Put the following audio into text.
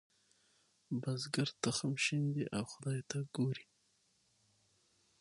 بزګر تخم شیندي او خدای ته ګوري.